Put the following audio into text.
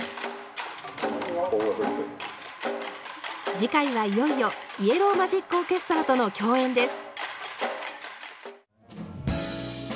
次回はいよいよイエロー・マジック・オーケストラとの共演です。